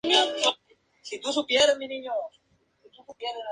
Se la dio su pueblo y a su pueblo vuelve".